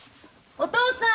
お父さん！